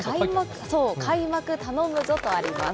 開幕たのむぞとあります。